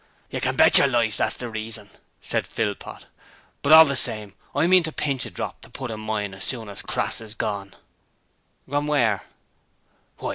'You can bet yer life that's the reason,' said Philpot. 'But all the same I mean to pinch a drop to put in mine as soon as Crass is gorn.' 'Gorn where?'